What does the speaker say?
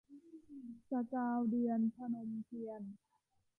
สกาวเดือน - พนมเทียน